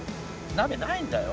鍋ないんだよ。